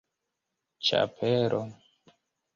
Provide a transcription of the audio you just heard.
ĉapelo